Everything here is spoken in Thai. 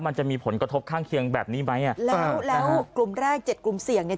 มันจะมีผลกระทบข้างเคียงแบบนี้ไหมอ่ะแล้วแล้วกลุ่มแรกเจ็ดกลุ่มเสี่ยงเนี่ย